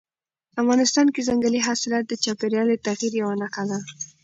افغانستان کې ځنګلي حاصلات د چاپېریال د تغیر یوه نښه ده.